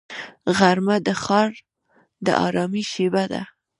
غرمه د ښار د ارامۍ شیبه ده